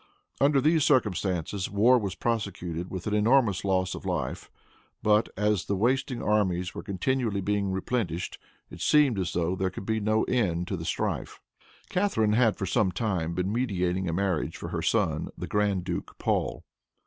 Under these circumstances war was prosecuted with an enormous loss of life; but as the wasting armies were continually being replenished, it seemed as though there could be no end to the strife. Catharine had for some time been meditating a marriage for her son, the Grand Duke Paul.